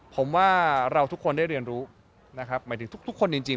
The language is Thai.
ผมว่าเราทุกคนได้เรียนรู้นะครับหมายถึงทุกคนจริง